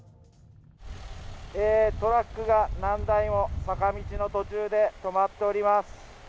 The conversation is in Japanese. トラックが何台も坂道の途中で止まっております。